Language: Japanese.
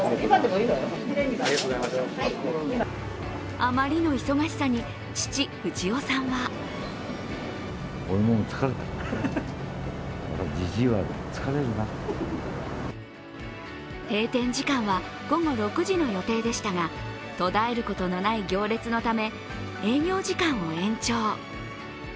余りの忙しさに父・富士男さんは閉店時間は午後６時の予定でしたが、途絶えることのない行列のため営業時間を延長。